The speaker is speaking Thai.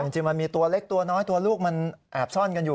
จริงมันมีตัวเล็กตัวน้อยตัวลูกมันแอบซ่อนกันอยู่